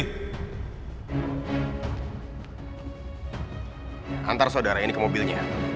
antar saudara ini ke mobilnya